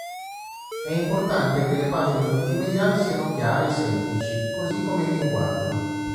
È importante che le pagine multimediali siano chiare e semplici, così come il linguaggio.